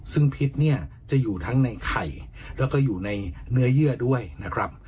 ซึ่งพิษเนี่ยจะอยู่ทั้งในไข่แล้วก็อยู่ในเนื้อเยื่อด้วยนะครับ